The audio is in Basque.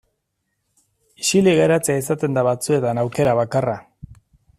Isilik geratzea izaten da batzuetan aukera bakarra.